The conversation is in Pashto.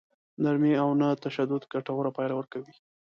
نرمي او نه تشدد ګټوره پايله ورکوي.